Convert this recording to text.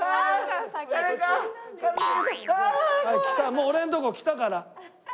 もう俺のとこ来たから。